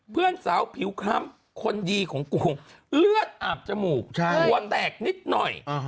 เพื่อนสาวผิวคล้ำคนดีของกงเลือดอาบจมูกหัวแตกนิดหน่อย